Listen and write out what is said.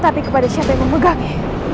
tapi kepada siapa yang memegangnya